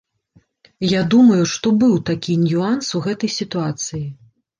Я думаю, што быў такі нюанс у гэтай сітуацыі.